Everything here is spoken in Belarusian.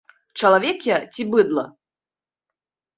Чалавек я ці быдла?